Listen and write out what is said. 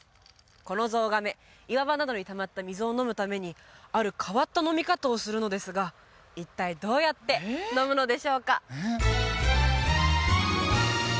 このゾウガメ岩場などにたまった水を飲むためにある変わった飲み方をするのですが一体どうやって飲むのでしょうか？